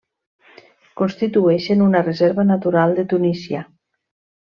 Constitueixen una reserva natural de Tunísia.